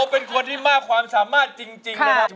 เป็นคนที่มากความสามารถจริงนะครับ